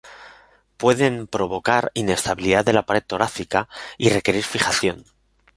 Pueden provocar inestabilidad de la pared torácica y requerir fijación.